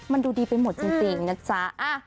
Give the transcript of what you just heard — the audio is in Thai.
มันดูดีไปหมดจริงนะจ๊ะ